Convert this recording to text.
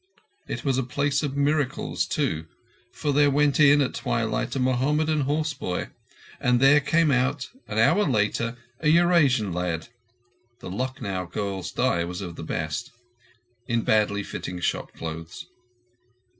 It was a place of miracles, too, for there went in at twilight a Mohammedan horseboy, and there came out an hour later a Eurasian lad—the Lucknow girl's dye was of the best—in badly fitting shop clothes.